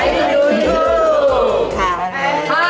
อะไรมั้ยครับ